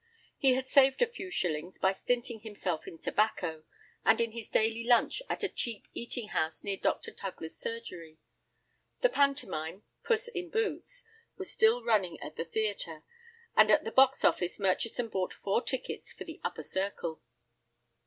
He had saved a few shillings by stinting himself in tobacco, and in his daily lunch at a cheap eating house near Dr. Tugler's surgery. The pantomime "Puss in Boots" was still running at the theatre, and at the box office Murchison bought four tickets for the upper circle.